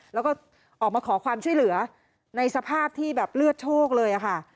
แล้วก็ออกมาขอความช่วยเหลือในสภาพที่แบบเลือดโชคเลยค่ะ